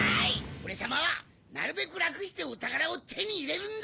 おれさまはなるべくらくしておたからをてにいれるんだ！